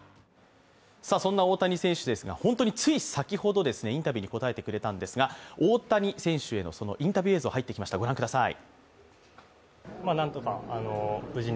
そんな大谷選手ですが、本当につい先ほどインタビューに答えてくれたんですが大谷選手へのインタビュー映像、入ってきました、ご覧ください。